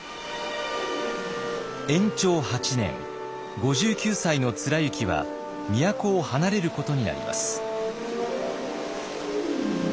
延長八年５９歳の貫之は都を離れることになります。